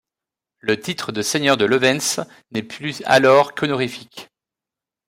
Le titre de seigneur de Levens n'est plus alors qu'honorifique.